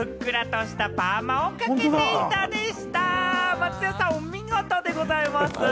松也さん、お見事でございます。